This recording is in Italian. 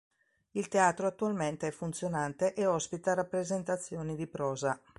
Il teatro attualmente è funzionante e ospita rappresentazioni di prosa.